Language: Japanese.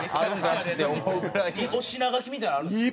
お品書きみたいなのあるんですよ。